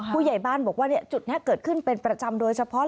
ผู้ใหญ่บ้านบอกว่าจุดนี้เกิดขึ้นเป็นประจำโดยเฉพาะ